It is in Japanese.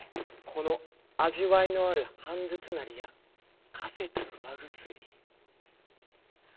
この味わいのある半筒形やかせた上薬。